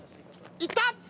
いった！